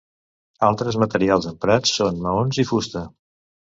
Altres materials emprats són maons i fusta.